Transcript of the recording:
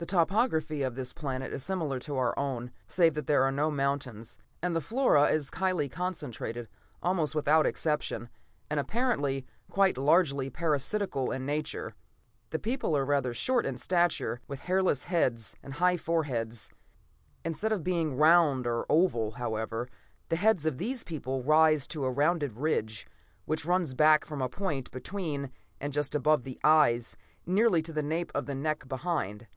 "The topography of this planet is similar to our own, save that there are no mountains, and the flora is highly colored almost without exception, and apparently quite largely parasitical in nature. The people are rather short in stature, with hairless heads and high foreheads. Instead of being round or oval, however, the heads of these people rise to a rounded ridge which runs back from a point between and just above the eyes, nearly to the nape of the neck behind.